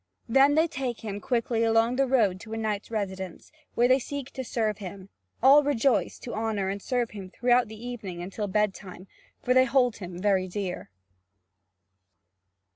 Then they take him quickly along the road to a knight's residence, where they seek to serve him: all rejoice to honour and serve him throughout the evening until bedtime, for they hold him very dear.